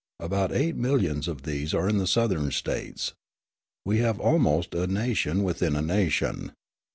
About eight millions of these are in the Southern States. We have almost a nation within a nation.